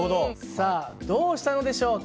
さあどうしたのでしょうか？